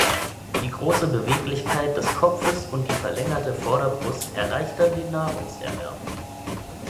Die große Beweglichkeit des Kopfes und die verlängerte Vorderbrust erleichtern den Nahrungserwerb.